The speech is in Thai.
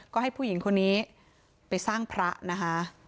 ก็ให้ผู้หญิงคนนี้ไปสร้างพระนะคะ